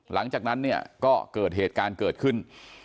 หลังจากนั้นเนี่ยก็เกิดเหตุการณ์เกิดขึ้น